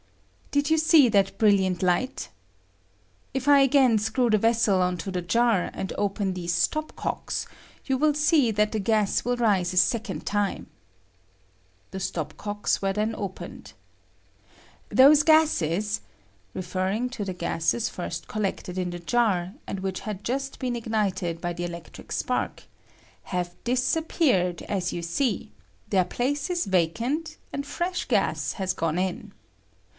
] Did you see that bril hant light ? If I again screw tho vessel on to the jar, and open these stop cocks, you will see that the gas will rise a second time. [The stop cocks were then opened.] Those gases [referring to the gases first collected in the jar, and which had just been ignited by the electric spark] have disappeared, as you see ; their place is vacant, and fresh gas has gone in.